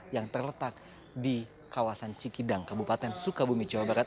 yang terletak di kawasan cikidang kabupaten sukabumi jawa barat